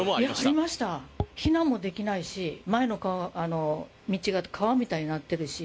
ありました、避難もできないし、前の川、道が川みたいになってるし。